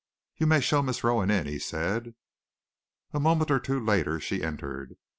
"You may show Miss Rowan in," he said. A moment or two later she entered.